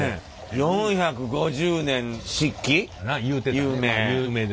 ４５０年漆器？